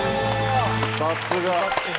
さすが。